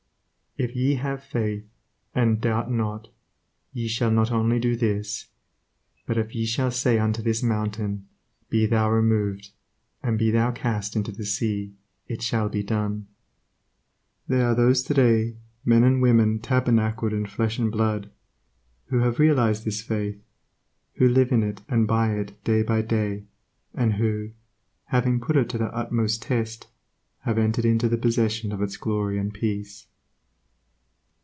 "If ye have faith, and doubt not, ye shall not only do this, ... but if ye shall say unto this mountain, be thou removed and be thou cast into the sea, it shall be done." There are those today, men and women tabernacled in flesh and blood, who have realized this faith, who live in it and by it day by day, and who, having put it to the uttermost test, have entered into the possession of its glory and peace.